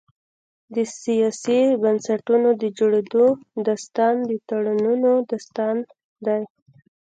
د سیاسي بنسټونو د جوړېدو داستان د تړونونو داستان دی.